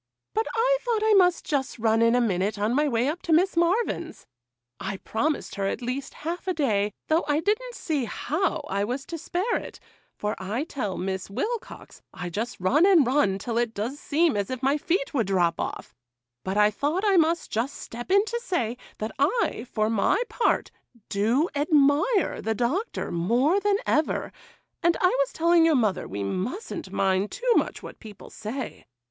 but I thought I must just run in a minute on my way up to Miss Marvyn's. I promised her at least a half a day, though I didn't see how I was to spare it,—for I tell Miss Wilcox I just run and run till it does seem as if my feet would drop off; but I thought I must just step in to say, that I, for my part, do admire the Doctor more than ever, and I was telling your mother we mus'n't mind too much what people say.